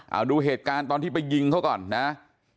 เอาดูเหตุการณ์ตอนที่ไปยิงเขาก่อนนะ